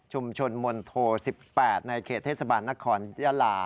ชุมชนมณฑ๑๘ในเขตเทศบาลนครยาลา